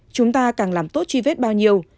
chúng ta càng làm tốt truy vết bao nhiêu